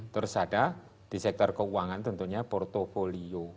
terus ada di sektor keuangan tentunya portfolio